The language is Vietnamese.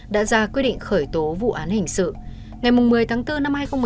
đã ra quyết định khởi tố vụ án hình sự ngày một mươi tháng bốn năm hai nghìn một mươi